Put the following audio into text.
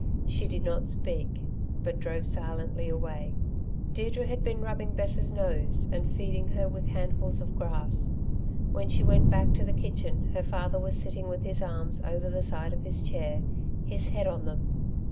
She did not speak, but drove silently away. Deirdre had been rubbing Bess's nose and feeding her with handfuls of grass. When she went back to the kitchen her father was sitting with his arms over the side of his chair, his head on them.